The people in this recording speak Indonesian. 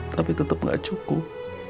tapi tetap gak cukup